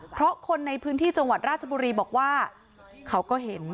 เพราะคนในพื้นที่จังหวัดราชบุรีบอกว่าเขาก็เห็น